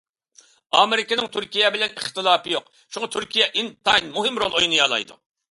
ئامېرىكىنىڭ تۈركىيە بىلەن ئىختىلاپى يوق، شۇڭا تۈركىيە ئىنتايىن مۇھىم رول ئوينىيالايدۇ.